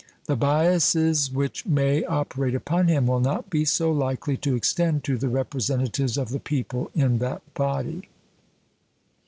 The biases which may operate upon him will not be so likely to extend to the representatives of the people in that body.